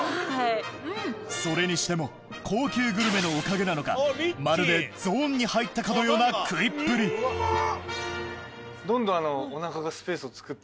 それにしても高級グルメのおかげなのかまるでゾーンに入ったかのような食いっぷりうんまっ！